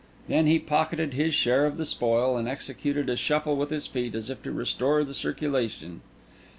Then he pocketed his share of the spoil, and executed a shuffle with his feet as if to restore the circulation.